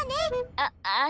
あっあの。